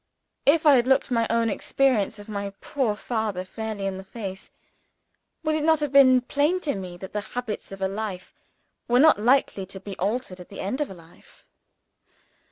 If I had looked my own experience of my poor father fairly in the face, would it not have been plain to me that the habits of a life were not likely to be altered at the end of a life?